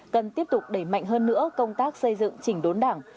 cần tiếp tục đẩy mạnh hơn nữa công tác xây dựng chỉnh đốn đảng